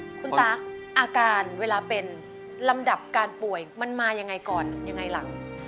คุณตั๊กอาการเวลาเป็นลำดับการป่วยมันมายังไงก่อนยังไงหลัง